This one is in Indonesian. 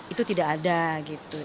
itu tidak ada gitu